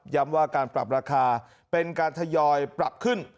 ว่าการปรับราคาเป็นการทยอยปรับขึ้น